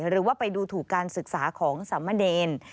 หรือว่าไปดูถูกการศึกษาของสามเณร